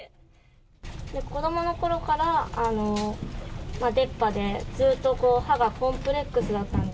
子どものころから出っ歯で、ずっと歯がコンプレックスだったんで。